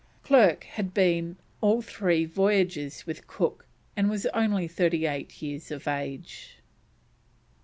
Clerke had been all three voyages with Cook, and was only thirty eight years of age.